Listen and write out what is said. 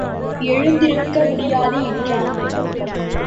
எழுந்திருக்க முடியாது என்றான்.